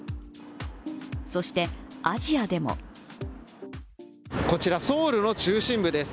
そして、アジアでもこちらソウルの中心部です。